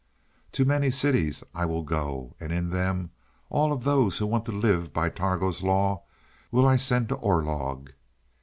"To many cities I will go. And in them, all of those who want to live by Targo's law will I send to Orlog.